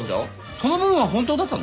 その部分は本当だったの？